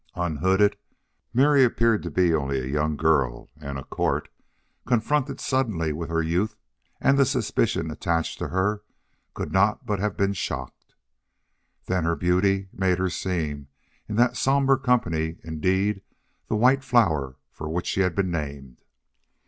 Unhooded, Mary appeared to be only a young girl, and a court, confronted suddenly with her youth and the suspicion attached to her, could not but have been shocked. Then her beauty made her seem, in that somber company, indeed the white flower for which she had been named.